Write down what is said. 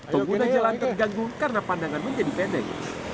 pengguna jalan terganggu karena pandangan menjadi pendek